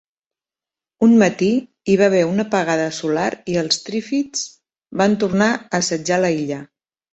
Un matí, hi va haver una apagada solar i els trífids van tornar a assetjar la illa.